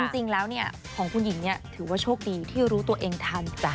จริงแล้วของคุณหญิงเนี่ยถือว่าโชคดีที่รู้ตัวเองทันจ้ะ